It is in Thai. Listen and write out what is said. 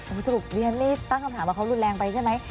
โอ้สรุปเรียนรีบตั้งคำถามมาเขารุนแรงไปใช่ไหม